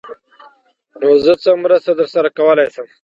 _نو زه څه مرسته درسره کولای شم؟